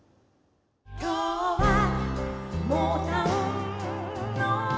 「きょうはモウタウンの」